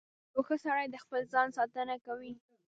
• یو ښه سړی د خپل ځان ساتنه کوي.